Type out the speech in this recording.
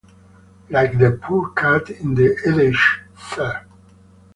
Like the poor cat in the adage, sir.